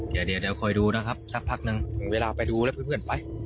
เดี๋ยวเดี๋ยวเดี๋ยวคอยดูนะครับสักพักนึงเวลาไปดูแล้วคุณเพื่อนไป